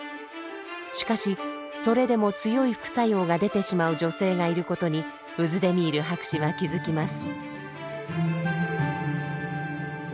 しかしそれでも強い副作用がでてしまう女性がいることにウズデミール博士は気付きます。